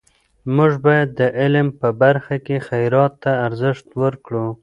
موږ باید د علم په برخه کې خیرات ته ارزښت ورکړو.